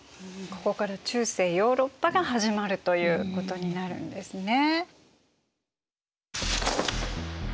ここから中世ヨーロッパが始まるということになるんですね。